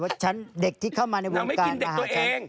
ฉันเด็กที่เข้ามาในวงการมาหาฉัน